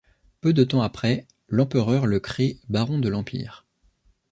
Peu de temps après, l'Empereur le crée baron de l'Empire.